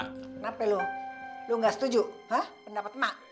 kenapa lo lo gak setuju pendapat ma